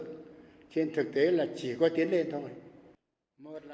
trên thực tế là chỉ có tiến lên thôi